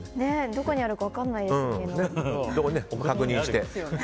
どこにあるか分からないですけど。